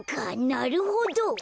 なるほど。